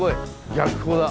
逆光だ。